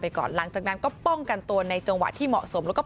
ก่อนหลังจากนั้นก็ป้องกันตัวในจังหวะที่เหมาะสมแล้วก็